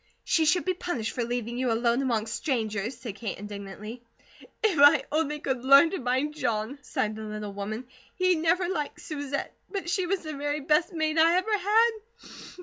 "She should be punished for leaving you alone among strangers," said Kate indignantly. "If I only could learn to mind John," sighed the little woman. "He never liked Susette. But she was the very best maid I ever had.